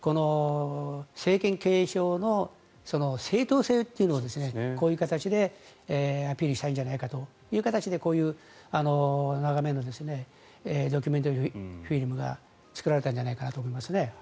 政権継承の正統性というのをこういう形でアピールしたいんじゃないかということでこういう長めのドキュメントフィルムが作られたんじゃないかなと思いますね。